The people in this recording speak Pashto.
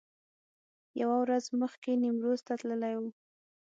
یوه ورځ مخکې نیمروز ته تللي و.